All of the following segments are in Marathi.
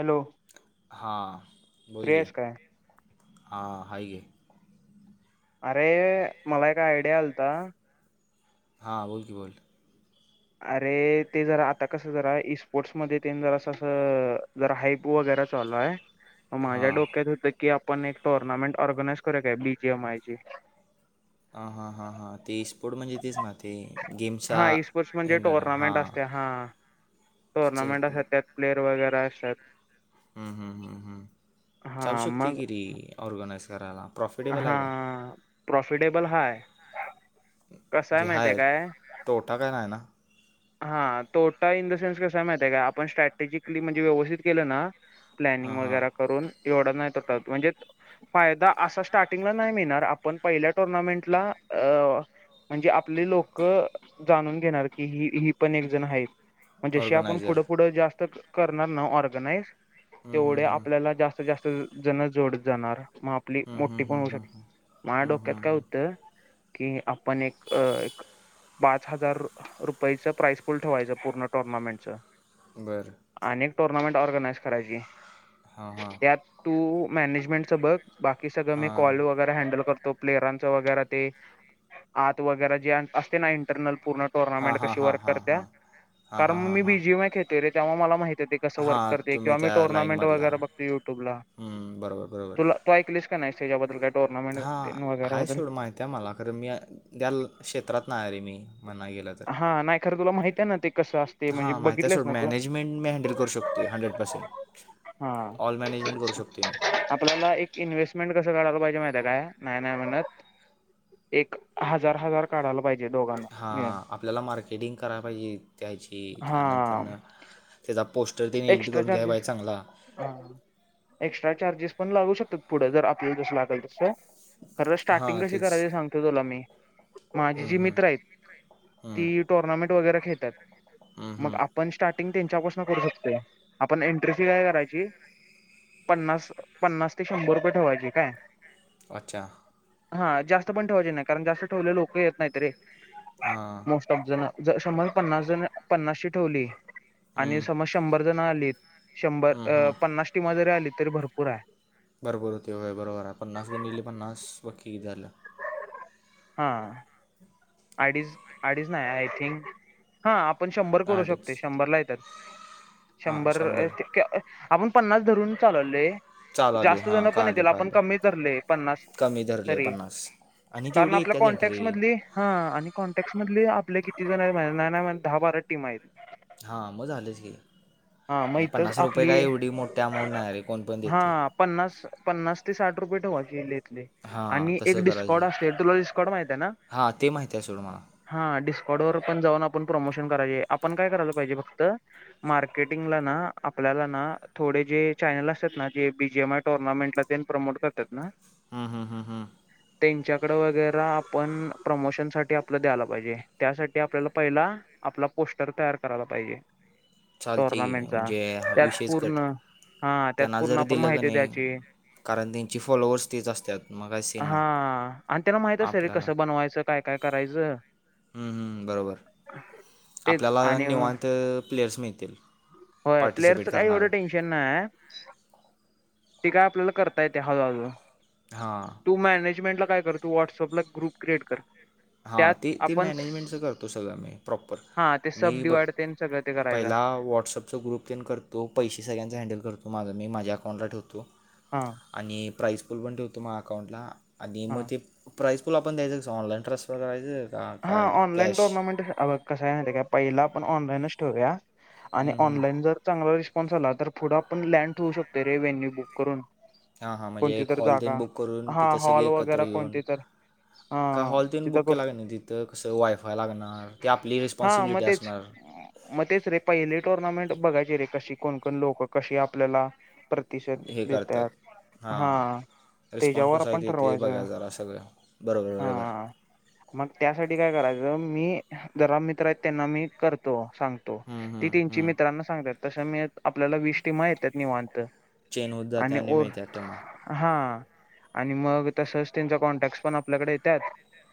हॅलो हा फ्री बोोले आहेस काय हा हाय गे अरे मला एक आयडिया आलता. हां बोल की बोल. अरे ते जरा आता कसं जरा स्पोर्ट्स मध्ये जरां जरा हाप वगैर. ल माझ्या हां डोक्यात होत की आपण एक टोर्नामेंट ऑर्गनाइ खर काय बीजे मायज ह हा हां हां ते स्पोर्ट म्हणजे तेच ना ते गेमचा हा इई स्पोर्ट्स म्हणजे हँडल हां टोर्नामेंट असते हा च- टोर्नामेंट असत त्यात प्लेअर वगैरे असतात हा मग चालशक्तिगिरी ऑर्गनाइज करायला प्रॉफिटेबल हा आहे काय प्रॉफिटेबल हाय कसय म्हणजे माहिितय हाय काय तोटा काय नाही ना हां तोटा इन द सेन्स कसा माहती आहे का आपण स्ट्रॅटेजिकली म्हणजे व्यवस्थित केलं ना हां प्लनिंग हां वगै करून एवढ नाही त म्हणजे फायदा असा स्टार्टिंगला नाही मिळणार आपण पहिल्या टुर्नामेंटला अ म्हणजे आपले लोक जाणून घेणार की ही ही पण एक जण आहेत जशी आपण ऑर्गनायझर पुढं पुुढं जास्त करणार ना ऑर्गनाइज हम्म, हम्म, तेवढे हम्म. आपल्याला जास्त जास्त जण जोडत जाणार मग आपली हम्म, मो हम्म, पण हम्म, होऊ हम्म, शक हम्म. माझ्या हम्म, डोक्यात हम्म, काय हम्म. होतं की आपण एक पाच हजार रुपयाच प्राइस फुल ठेवायचं पूर्ण टुर्नामेंटचं बरं अने टुर्नामेंट ऑर्गनाइज करायची हां हां त्यात तू मॅनेजमेंटच बघ बाकी सगळं हां मी कॉल वगैरे हँडल करतो प्लेअरांचं वगैरे ते आत वगैरे जे असते ना इंटरनल पूर्ण टुर्नामेंट हां कशी हां वर्क हां हां करत्या हां कारण हां मग हां हां मी हां बीजीय खेतते र तेव्हा मला माहतीे कस वर्क हां करते तुम्ही किंवा मी त्या टोर्नामेंट वगैरे लाईनमधला बघते तू युट्यूब ला हम्म, बरोबर बरोबर तुला तू ऐकलीस का नाही बदल काय टूर्नामेट वगैरे बदल माहिित आहे मला खरं मी त्या क्षेत्रात नाही रे मी म्हण गेलं तर हा नाही खर तुला माहिती आहे ना ते कसं असते हां म्हणजे माहिती आहे बघितलेस सोड ना तू मॅनेजमेंट मी हँडल करू शकतो हंड्रेड पर्सेंट हा ऑल मॅनेजमेंट करू शकतो मी आपल्याला एक इन्व्हेस्टमेंट कसं करायला पाहिजे माहि आहे काय नाही नाही म्हणत एक हजार हजार काढायला पाहिजे दोघांना हां आपल्याला मार्केटिंग करायला पाहिजे त्याची हा त्यानंतरन त्याचा पोस्टर तने एडिट करून घ्या बाई चांगला ह एक्स्ट्रा चार्जेस पण लागू शकतात पुढं जर आपल्याला जस लागेल तस खरं स्टार्टिंग हां कशी तेच करायची सांगतो तुला मी माझी हम्म, जी हम्म, मित्र आहेत हम्म, ती टुर्नामेंट वगैरे खेळतात हम्म, मग हम्म. पण स्टार्टिंग त्यांच्यापासून करू शकतो आपण एंट्री फी काय करायची पन्नास पन्नास ते शंभर रुपये ठेवायचे काय अच्छा हा जास्त पण ठेवायचे नाही कारण जास्त ठेवले लोक येत नाहीत रे हा समजना समज पन्नास ची ठेवली हम्म, शंभर जण आलीत शंभर हम्म, अ हम्म. पन्नास टीमा जरी आली तरी भरपूर आहे बरोबर होतेय बरोबर आहे पन्नास गून दिली पन्नास पक्की झालं हा अडीच अडीच नाही आय थिंक हा आपण शंभर करू शकते आठच शंभर ला येतात शंभर आपण पन्नास धरून चालवले चालले जास्त जण हां पण कळालं येतील आपण कळालं कमी धरले पन्नास कमी धरले तरी पन्नास आणि कारण तेवढी आपल्या येतात एंट्री कॉन्टॅक्ट मधली हा आणि कॉन्टॅक्ट मधले आपले किती जण आहेत. नाही नाही म्हणता दहा बारा टीम आहेत. हा म झालच कि. हा मग आणि इथच पन्नास रुपये काय आपली एवढी मोठी अमाऊंट नाही रे कोण पण देते. हा पन्नास पन्नास ते साठ रुपये ठेवाय हां आणि एक तसं डिस्कॉड करायचं असेल. तुला डिस्कॉड माहित आहे ना. हां ते माहिती आहे सोड मला हा डिस्कॉड वर पण जाऊन आपण प्रमोशन करायचे आपण काय करायला पाहिजे फक्त मार्क टिंगला ना आपल्याला ना थोडे जे चॅनल असतात ना, जे बी जी एम आय टुर्नामेंटला प्रमोट करतात ना हम्म हम्म हम्म हम्म त्यांच्याकड वगैरे आपण प्रमोशन साठी आपलं द्यायला पाहिजे. त्यासाठी आपल्याला पहिला आपला पोस्टर तयार करायला पाहिजे. चालते की टोर्नामेंटचा. म्हणजे हा त्यात विषयच कट पूर्ण हा त्यात त्यांना पूर्ण जर आपण दिलं का माहिती द्याची. नाही कारण त्यांची फॉलोअर्स तेच असतात मग काय सीन हा नाही आणि त्यांना माहित असत ते आपल्याला कसं बनवायचं. काय काय करायचं. हम्म हम्म हम्म बरोबर. [inaudible] आपल्याला आणि निवांत प्लेयर्स मिळतील. होय पार्टिसिपेट प्लेअरचं काय एवढ करणारे टेन्शन ती काय आपल्याला करता येते हळु हळु हा तू मॅनेजमेंट ला काय कर, तू व्हॉट्सअप ला ग्रुप क्रिएट कर. हा त्यात ते ते आपण मॅनेजमेंटच करतो सगळं मी प्रॉपर. हा ते सब मी बघ डिवाइड तेन सगळं ते करायचं पहिला व्हॉट्सअप ग्रुपेन करतो. पैसे सगळ्यांचं हँडल करतो. माझं मी माझ्या अकाउंटला ठेवतो. हा आणि प्राईज पूल पण ठेवतो मा अकाउंटला. आणि मग हा ते प्राईज पूल आपण द्यायचंस ऑनलाईन ट्रस [unintelligible] हा ऑनलाईन टोर्नामेंट कसा आहे माहितीये का पहिला आपण ऑनलाईन ठेवूया. आणि हम्म, हम्म. ऑनलाईन जर चांगला रिस्पॉन्स आला तर पुढं पण लँड ठेवू शकतो रे व्हेन्यू बुक करून. हां हां म्हणजे कोणती एक तर हॉल तेन जागा बुक करून हा तिथं सगळी हॉल एकत्र वगैरे येऊन कोणती तर हा का हॉल तेन तिथं बुक कर केला काय? तिथं कसं वायफाय लागणार. ती आपली हा मग रिस्पॉनसिबिलिटी तेच असणार. मग तेच रे पहिले टुर्नामेंट बघायची रे कशी कोणकोण लोकं कशी आपल्याला प्रतिशत हे करतात देतात. हां हा रिस्पॉन्स त्याच्यावर कसा आहे आपण ते ते बघा ठरवायचं. जरा सगळं बरोबर बरोबर हा मग त्यासाठी काय करायचं मी जरा मित्र आहेत, त्यांना मी करतो सांगतो. हम्म, ती हम्म, तिंची हम्म. मित्रांना सांगतात. तस मी आपल्याला वीस टीमा येतात निवांत. चेन होत जाते, आणि मिळत्या टीमा. हा आणि मग तसच त्यांचा कॉन्टॅक्ट पण आपल्याकडे येतात.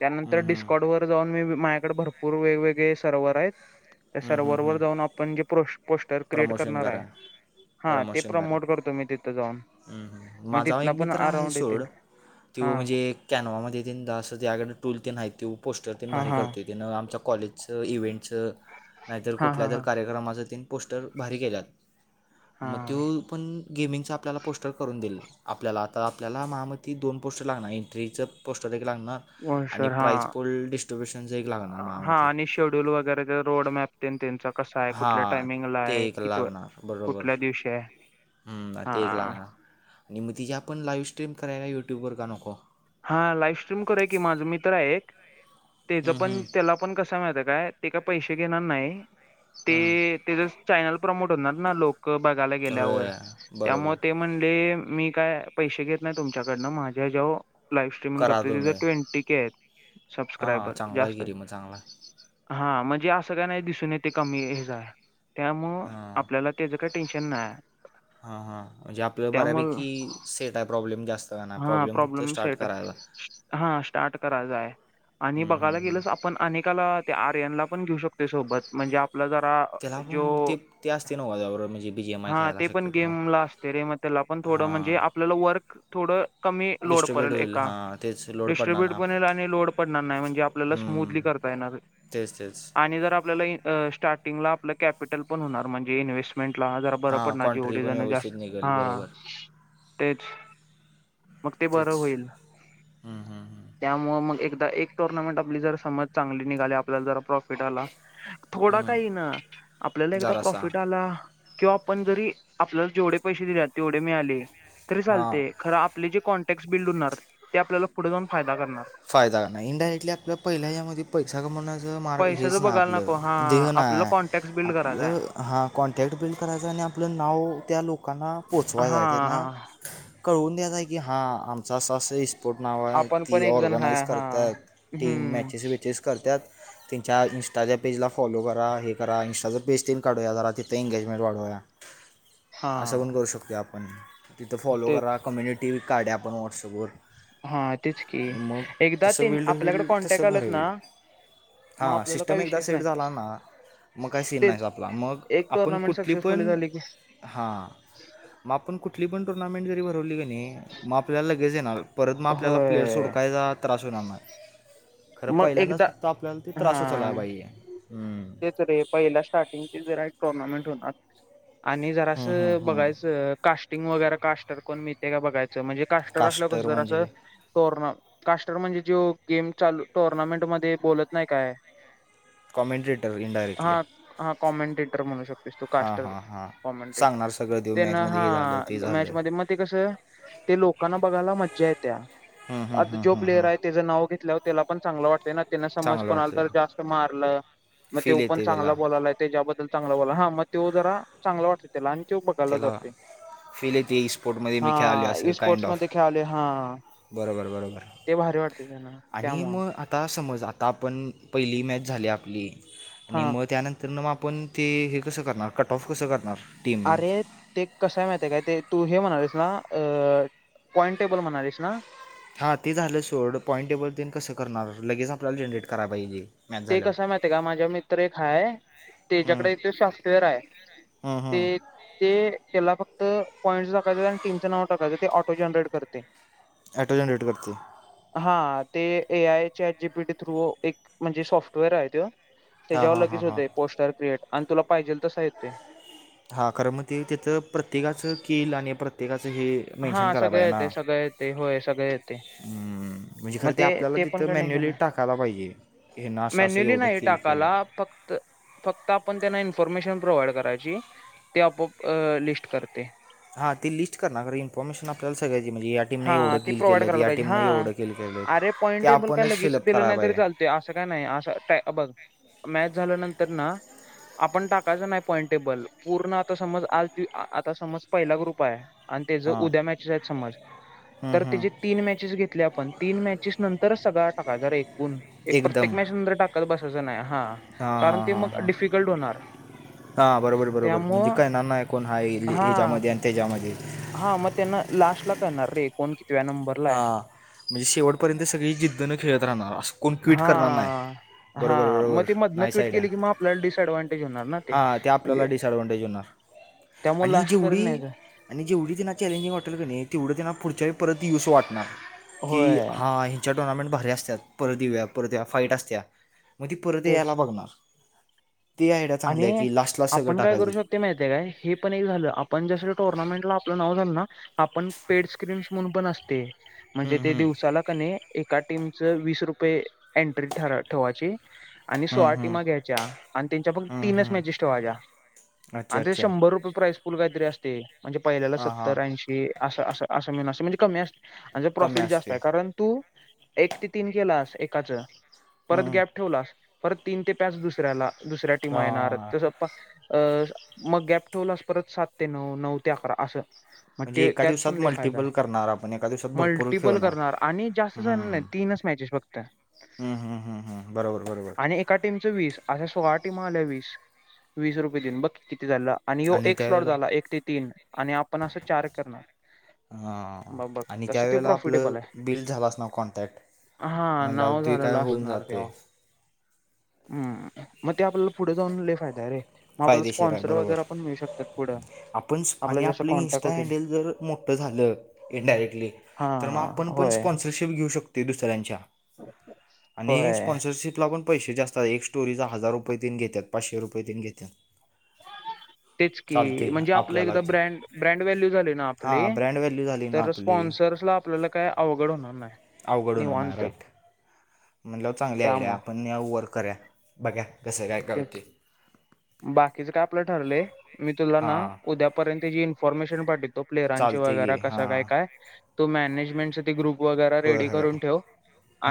त्यानंतर हम्म, डिस् हम्म. कड वर जाऊन मी माझ्याकडे भरपूर वेगवेगळे सर्वर आहेत त्या हम्म, हम्म, सर्वर वर हम्म. जाऊन आपण जे पोस्टर क्रिएट प्रमोशन करणार आहे. करा हा ते प्रमोशन करा. प्रमोट करतो मी तिथं जाऊन हम्म हम्म मग माझा एक तिथनं पण मित्र आहे अराऊंड येतील सोड हा तो म्हणजे कॅनवा मध्ये तं त्याकडे टूल त नाही त पोस्टर ते हा भारी हा करते. तीनं आमच्या कॉलेजचं इव्हेंटचं नाहीतर हा हा कुठल्यात हा कार्यक्रमाचं तिन पोस्टर भारी केल्यात. मग हा तो पण गेमिंगचा आपल्याला पोस्टर करून दिल. आपल्याला आता आपल्याला म हा मती दोन पोस्टर लागणार. एंट्रीचं पोस्टर एक लागणार. आणि ओनशर हा. प्राईज कोल्ड डिस्ट्रीब्युशनच एक लागणार हा माहामती. आणि शेड्यूल वगैरे रोड मॅप. त्यांचा कसा आहे कुठल्या हां टायमिंगला ते आहे एक कि कुठल्या दिवशी आहे. हम् ते एक हा लागणार आणि मग तिची आपण लाईव्ह स्ट्रीम करायला युट्यूब वर का नको. हा लाईफ स्ट्रीम करय की माझा मित्र आहे एक तेच हं, पण. हं, त्याला पण कसा माहत काय ते का पैसे घेणार नाही. हं. ते ते चायनल प्रमोट होणार ना लोक बघायला गेल्यावर होय बरोबर त्यामुळे ते. म्हणले मी काय पैसे घेत नाही तुमच्याकडनं माझ्या जेव लाईव्ह स्ट्रीमिंग करत करा तिथे तुम्ही ट्वेंटी के आहेत हां सबस्क्रायबर चांगला आहे जास्त की आहेत. रे मग चांगला आहे. हा म्हणजे असं काय नाही दिसून येते कमी हे जा त्यामु ळ हां आपल्याला. तेज काय टेनशन नाय. हा हा म्हणजे आपल्या बऱ्यापैकी सेटा प्रॉब्लेम जास्त. का नाही हा फक्त प्रॉब्लेम स्टार्ट सटा करायचा हा स्टार्ट करायचंय आणि हम्म, बघायला हम्म, हम्म. गेलं आपण अनेकाला. ते आर्यन ला पण घेऊ शकते सोबत म्हणजे आपलं जरा. त्याला जो पण ते असते नव्ह त्याबरोबर म्हणजे बी जी एम आय खेळायला शकते. गेम ला असते म [unintelligible] त्याला पण थोडं म्हणजे आपल्याला वर्क थोडं कमी लोड डिस्ट्रीब्युट पडेल होईल एका. हां तेच लोड पडणार डिस्ट्रीब्यूट ना पण येल आणि लोड पडणार नाही म्हणजे आपल्याला स्मूथली हम्म, करता येणार. तेच तेच आणि जर आपल्याला स्टार्टिंगला आपलं कॅपिटल पण होणार म्हणजे इन्व्स्ट मेंटला जरा बर पड हां ना कॉन्ट्री जेवढे पण जण जा व्यवस्थित निघेल हा बरोबर तेच. मग ते बरं तेच होईल. हम्म, हम्म, हम्म. त्यामुळ मग एकदा एक टुर्नामेंट आपली जर समज चांगली निघाली आपल्याला जरा प्रॉफिट आला. थोडा का हम्म, ईना आपल्याला एकदा जरासा प्रॉफिट आला. किंवा आपण जरी आपला जेवढे पैसे दिले तेवढे मिळाले तरी हां चालतेय. खरं आपले जे कॉन्टॅक्टस बिल्ड होणार ते आपल्याला पुढे जाऊन फायदा करणार. फायदा कर नाही इनडायरेक्टली आपल्या पहिल्या यामध्ये पैसा कमवण्याचं मार पैशाच हेच ना बघायला आपलं. नको हा देघ नाय. [unintelligible] हा कॉन्टॅक्ट बिल्ड करायचां आहे आणि आपलं नाव त्या लोकांना पोचवायचं आहे त्यांना. हा कळवून द्याच आहे की हा आमच असं असं स्पोर्ट नाव आहे आपण पण ती एक ऑर जण हाय ऑर्गनाइज हा करतात टीम हम्म मॅचेस बचेस करत्यात. त्यांच्या इंस्टाच्या पेजला फॉलो करा हे करा इंस्टां पेज त्यां काढूया जरा तिथे एंगेजमेंट वाढवूया. [inaudible] असं पण करू शकतो आपण तिथं फॉलो ते करा कम्युनिटी कार्ड आहे आपण व्हॉट्सअपवर. हा तेच. की मग एकदा ते तसं बिल्ड आपल्याकडे होईल कॉन्टॅक्ट तसं भर आलत ना होईल. मग हा आपल्याला काही सिस्टम एकदा विषयच सेट नाही झाला ना. मग काय सीन नाहीच तेच आपला मग एक आपण टुर्नामेंट कुठली सक्सेसफुली पण. झाली की हां मग आपण कुठली पण टुर्नामेंट जरी भरवली की नाही मग आपल्याला लगेच येणार. परत मग आपल्याला प्लेस होय हुडकायचा त्रास होईल आणणार. खरं मग पहिल्यांदाच एकदा फक्त आपल्याला ते हा त्रास उचलाय पाहिजे हम्म. तेच रे पहिल्या स्टार्टिंग जरा एक टुर्नामेंट होणार. आणि जरा हम्म, हम्म, असं हम्म. बघायचं कास्टिंग वगैरे कास्टर कोण मिळते का बघायचं म्हणजे. काष्टर असलं कस कास्टर ज असं. म्हणजे टोर् कास्टर म्हणजे जे गेम चालू टोर्नामेंट मध्ये बोलत नाही काय. Commentator indirectly. हा हा कॉमेंटेटर म्हणू शकतेस. तो कास्टर हां हां कॉमेंटेटर सांगणार सगळं देऊ ते ना मॅचमध्ये हे झालं ते हा झालं मॅच मध्ये म ते कस ते लोकांना बघायला मज्जा येत हम्म, हम्म, आता हम्म, जो हम्म, प्लेयर हम्म. आहेत. त्याचं नाव घेतलं त्याला पण चग वाटत ना त्यांना समज चांगलं कोणाला तर वाटतं जास्त मारलं मग फील तेव पण येते त्याला चांगला बोलायला त्याच्याबद्दल चांगला बोला हा मग तेो जरा चांगला वाटत त्याला आणि ते बघायला त्याला जाते फील येते ई स्पोर्टमध्ये मी खेळाली हा असं काइंड स्पोर्ट्स ऑफ मध्ये ख्याले आहे हा बरोबर बरोबर ते भारी वाटते त्यांना आणि त्यामुळं मग आता समज आता आपण पहिली मॅच झाली आपली आणि हा मग त्यानंतर तर मग आपण ते हे कसं करणार कट ऑफ कसं करणार टीम अरे ते कसाय माहित आहे काय ते तू हे म्हणालीस ना अ पॉइंट टेबल म्हणालीस ना हा ते झालं सोड पॉईंट टेबल त कसं करणार लगेज आपल्याला जनरेट कराय पाहिजे मॅच ते झाल्यावर कसं माहती आहे का माझ्या मित्र एक हाय त्याच्याकडे इथे सॉफ्टवेअर आहे हां हां ते ते त्याला फक्त पॉइंट टाकायचं आणि टीमचं नाव टाकायचं ते ऑटो जनरेट करते ॲटो जनरेट करते हा ते ए आयच्या जीपी थ्रू एक म्हणजे सॉफ्टवेअर आहे त हां त्याच्यावर हां लगेच हां हां होते पोस्टर क्रिएट आणि तुला पाहिजेल तसा येत ते हा कारर मग ते त्याथं प्रत्येकाचं केल आणि प्रत्येकाचं हे हा मेन्शन करायला सगळ पाहिजे ना येते सगळं येते होय सगळे येते हम्म, म्हणजे खरं ते आपल्याला तिथं मॅन्युअली टाकायला पाहिजे हे ना असं असं मॅन्युली एवढं नाही किल केलं टाकाला फक्त तर फक्त आपण त्यांना इन्फॉर्मेशन प्रोव्हाइड करायची ते आपप लिस्ट करते हां ते लिस्ट करणार ख इनफॉर्मेशन आपल्याला सगळयची म्हजे या टीमने हा एवढं ते किल केलं प्रोव्हाइड आहे करायला या पाहिजे टीमनं हा एवढं किल केलं ते आपणच फिलअप कराव पाहिजे ते असं काय नाही असं बघ मॅच झाल्या नंतर ना आपण टाकायचं नाही पॉइंट टेबल पूर्ण आता समज आज आता समज पहिला ग्रुप आहे आणि ते ज हां उद्या मॅचेस आहेत समज हं, तर हं. तेचेे तीन मॅचेस घेतले आपण तीन मॅचेस नंतरच सगळा टाका जर एकूण एक एकदम प्रत्येक मॅच सुंदर टाकत बसायचं नाही हा कारण ते मग डिफिकल्ट होणार हा बरोबर बरोबर म्हणजे त्यामुळं काय नाना आहे कोण हा हा ह्याच्यामध्ये आणि त्याच्यामध्ये हा मग त्यांना लास्ट ला करळणार रे कोण कितव्या नंबर ह म्हणजे शेवटपर्यंत सगळी जिद्दनं खेळत राहणार अस हा हा मग बरोबर ती मधनं नाही ट्विट साईड केली की आहे मग आपल्याला डिसएडव्हनटेज होणार ना हां ते आपल्याला डिसअडव्हां्टेज होणार त्यामु आणि लास्टपर्यंत जेवढी नाहीच आणि जेवढी त्यांना चॅलेंजिंग वाटेल का नाही तेवढं त्यांना पुढच्या परत यस वाटणार की होय हां च्या टोर्नामेंट भारी्या असतात परतवया परत फईट असत्या मग ती परत तेच यायला बघणार तेी आयडिया चांगल्या आहे की लास्ट लास्ट सगळं टाकायच मा काणर्में आप झालं आप पण अस हम्म, म्हणजे हम्म. दिवसाला एका टीम च वीस रुपये एंट्री ठेवायची आणि सोळा हम्म, हम्म. टीमा घ्यायच्या आणि त्यांच्या फक् हम्म, तीनच मॅचेस हम्म. ठेवाज्या अच्छा आणि त्या अच्छा शंभर रुपये प्राइस फूल काहीतरी असते म्हणजे पहिल्याला हां हां सत्तर ऐंशी असं असं असं मिून असं म्हणजे कमी असत म्हं कमी प्रॉफिट जास्त असते आहे कारण तू एक ते तीन केलास एकाच हम्म, परत हम्म. गॅप ठेवलास परत तीन ते पाच दुसऱ्याला दुसऱ्या टीमा येणार हां तस अ मग गॅप ठेवलास परत सात ते नऊ नऊ ते अकरा असं मग म्हणजे ते एका त्यात दिवसात पण फायदा मल्टिपल करणार आपण एका दिवसात भरपूर मल्टिपल खेळणार करणार आणि जास्त हम्म. नाही तीनच मॅचेस फघत हम्म हम्म हम्म हम्म बरोबर बरोबर आणि एका टीमचं वीस अशा सोळा टीम आल्या वीस वीस रुपये देऊन बघ किती झालं आणि य एक स्लॉट झाला एक ते तीन आणि आपण असं चार करणार ह मग बघ आणि तसं ते त्यावेेळेला आपलं प्रॉफिटेबल आहे बिल झालंस ना कॉन्टॅक्ट हा म्हणल्यावर नाव ते काय झालेलं होऊन असणार जाते तेव्हा हम्म मग ते आपल्याला पुढे जाऊन ल फायदा आहे रे म आपल्याला फायदेशीर आहे स्पॉन्सर बरोबर वगैरे पण मिळू शकतात पुढं आपण आपल्या आणि जसं आपलं कॉन्टॅक्ट इन्स्टा होतील हँडल जर मोठं झालं इनडायरेक्टली हा तर मग आपण पंच होय स्वॅप स्पॉसरशिप घेऊ शकते दुसऱ्यांच्या आणि होय स्पॉन्सरशशीप ला पण पैसे जास्तात एक स्टोरीचा हजार रुपये तन घेतात पाचशे रुपय तन घेतात तेच की चालते म्हणजे आप एक आपल्याला ते ब्र ब्रँड व्हॅल्यू झाले ना आपले हां ब्रँड व्हॅल्यू झाली ना तर आपली स्पन्सर् ला आपल्याला काय अवघड होणार नाही. अवघडून होणार निवांत राईट म्हणलं चांगली आयडिया त्यामुळं आपण न वर्क करूया बघूया कसं काय का तेच होते. बाकीच काय आपलं ठरलंय मी तुला ना हां उद्यापर्यंतचीी इन्फॉर्मेशन पाठवितो. प्लेरांची चालते वैगरे की कसं हां न काय तो मॅनेजमेंट चा तो ग्रुप वगैरे होय रेडी होय करून ठेव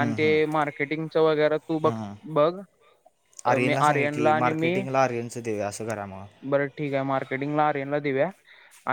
आणि ते हं मार्केटिंग च वगैरे तू बघ हं बघ अ, मी आर्यनला सांगे की आणि मी मार्केटिंगला आर्यनचं देऊया अस करा म बरं ठीक आहे मार्केटिंग ला आर्यन ला देऊया.